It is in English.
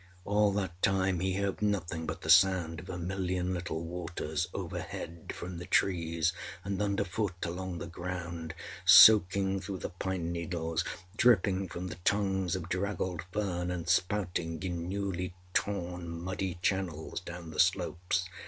All that time he heard nothing but the sound of a million little waters, overhead from the trees, and underfoot along the ground, soaking through the pine needles, dripping from the tongues of draggled fern, and spouting in newly torn muddy channels down the slopes.